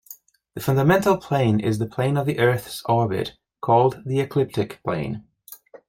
The fundamental plane is the plane of the Earth's orbit, called the ecliptic plane.